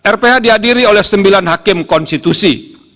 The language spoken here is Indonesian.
rph dihadiri oleh sembilan hakim konstitusi